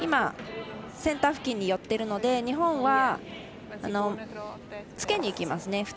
センター付近に寄っているので日本はつけにいきますね。